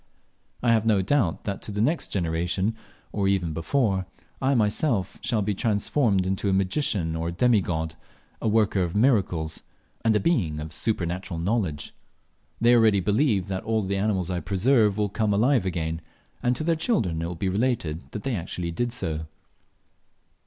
I have no doubt that to the next generation, or even before, I myself shall be transformed into a magician or a demigod, a worker of miracles, and a being of supernatural knowledge. They already believe that all the animals I preserve will come to life again; and to their children it will be related that they actually did so.